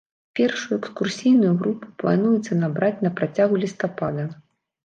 Першую экскурсійную групу плануецца набраць на працягу лістапада.